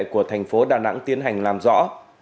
của thành phố đà nẵng tiến hành làm rõ